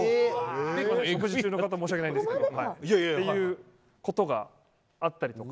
お食事中の方申し訳ないんですけどということがあったりとか。